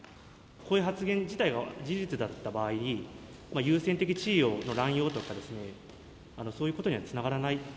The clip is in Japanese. こういう発言自体が事実だった場合、優先的地位の濫用とか、そういうことにはつながらない？